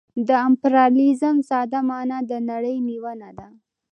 د امپریالیزم ساده مانا د نړۍ نیونه ده